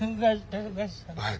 はい。